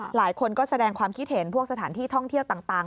หลายคนก็แสดงความคิดเห็นพวกสถานที่ท่องเที่ยวต่าง